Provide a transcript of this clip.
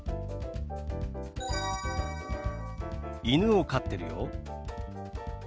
犬を飼ってるよ。